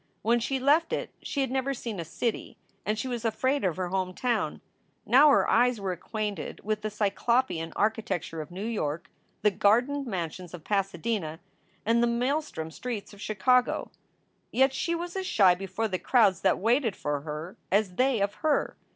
When she left it she had never seen a city and she was afraid of her home town. Now her eyes were acquainted with the cyclopean architecture of New York, the gardened mansions of Pasadena, and the maelstrom streets of Chicago. Yet she was as shy before the crowds that waited for her as they of her.